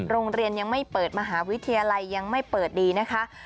โรงเรียนยังไม่เปิดมหาวิทยาลัยยังไม่เปิดดีนะคะ